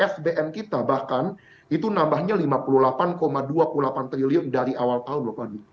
sdm kita bahkan itu nambahnya lima puluh delapan dua puluh delapan triliun dari awal tahun loh pak